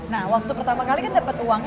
nah waktu pertama kali kan dapat uangnya